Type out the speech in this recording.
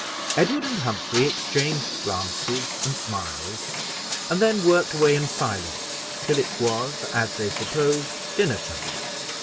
Edward and Humphrey exchanged glances and smiles, and then worked away in silence till it was, as they supposed, dinner time.